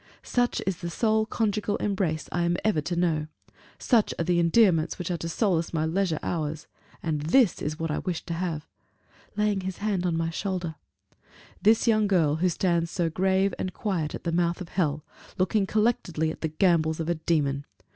"Such is the sole conjugal embrace I am ever to know such are the endearments which are to solace my leisure hours! And this is what I wished to have" (laying his hand on my shoulder): "this young girl, who stands so grave and quiet at the mouth of hell, looking collectedly at the gambols of a demon.